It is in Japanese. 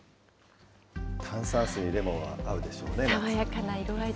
炭酸水にレモンは合うでしょうね。